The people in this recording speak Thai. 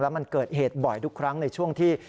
มันเกิดเหตุบ่อยทุกครั้งในช่วงที่